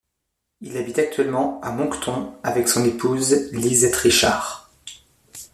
Il habite actuellement à Moncton avec son épouse Lisette Richard.